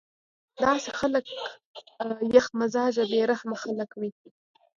داسې خلک يخ مزاجه بې رحمه خلک وي